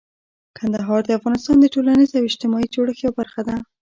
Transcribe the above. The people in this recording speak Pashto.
کندهار د افغانستان د ټولنیز او اجتماعي جوړښت یوه برخه ده.